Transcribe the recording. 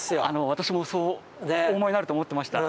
私もそうお思いになると思っていました。